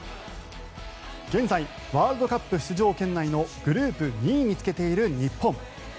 現在、ワールドカップ出場圏内のグループ２位につけている日本。